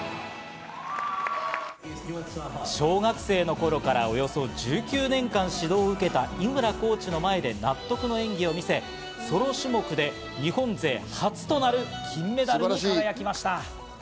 小学生の頃からおよそ１９年間、指導を受けた井村コーチの前で納得の演技を見せ、ソロ種目で日本勢初となる金メダルに輝きました。